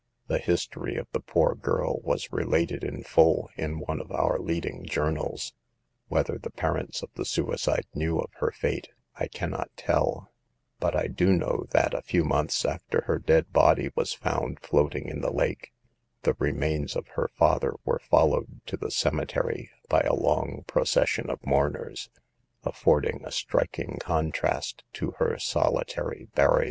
The history of the poor girl was re lated in full in one of our leading journals. Whether the parents of the suicide knew of her fate, I can not tell, but I do know that a few months after her dead body was found floating in the lake, the remains of her father were followed to the cemetery by a long pro cession of mourners, affording a striking con trast to her solitary burial.